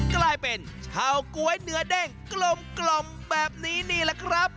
กลายเป็นชาวก๊วยเนื้อเด้งกลมแบบนี้นี่แหละครับ